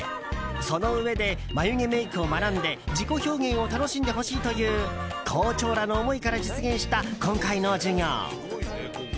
そのうえで眉毛メイクを学んで自己表現を楽しんでほしいという校長らの思いから実現した今回の授業。